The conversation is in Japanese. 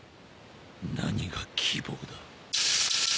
何が希望だ。